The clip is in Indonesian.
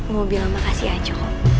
mau bilang makasih aja